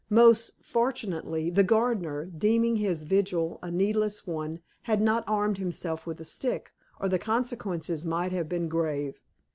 Most fortunately, the gardener, deeming his vigil a needless one, had not armed himself with a stick, or the consequences might have been grave.